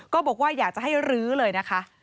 ก็บอกว่าอยากจะให้รื้อเลยนะคะ